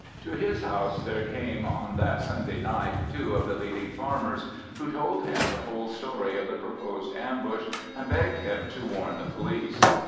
To his house there came on that Sunday night two of the leading farmers, who told him the whole story of the proposed ambush, and begged him to warn the police.